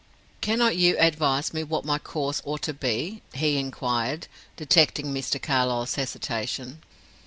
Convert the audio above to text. "Cannot you advise me what my course ought to be?" he inquired, detecting Mr. Carlyle's hesitation.